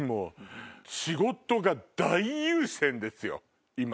仕事が大優先ですよ今。